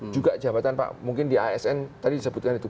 juga jabatan pak mungkin di asn tadi disebutkan itu